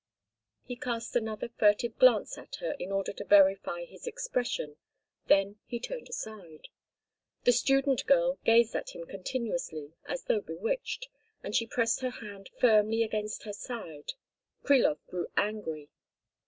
He cast another furtive glance at her in order to verify his expression, then he turned aside. The student girl gazed at him continuously, as though bewitched, and she pressed her hand firmly against her left side. Krilov grew angry.